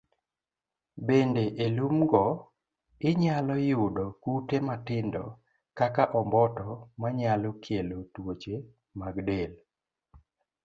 Bende, e lumgo, inyalo yudo kute matindo kaka omboto, manyalo kelo tuoche mag del.